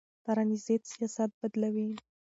ترانزیت سیاست بدلوي.